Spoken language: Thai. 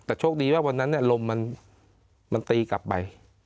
แต่โชคดีว่าวันนั้นเนี่ยลมมันมันตีกลับไป